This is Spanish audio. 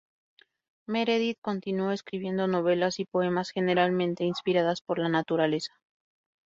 Meredith continuó escribiendo novelas y poemas, generalmente inspiradas por la naturaleza.